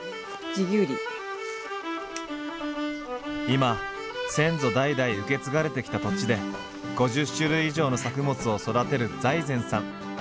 今先祖代々受け継がれてきた土地で５０種類以上の作物を育てる財前さん。